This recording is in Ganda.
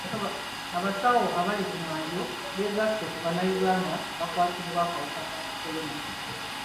Abasawo abali ku mwanjo beegasse ku bannayuganda abakwatiddwa akawuka ka kolona..